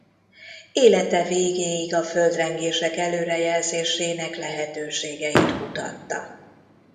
Élete végéig a földrengések előrejelzésének lehetőségeit kutatta.